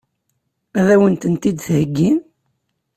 Ad wen-tent-id-theggi?